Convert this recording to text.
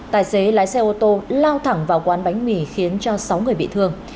tài xế lái xe ô tô lao thẳng vào quán bánh mì khiến cho sáu người bị thương